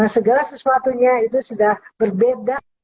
segala sesuatunya itu sudah berbeda